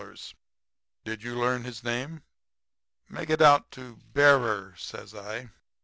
Did you learn his name?' "'Make it out to bearer,' says I.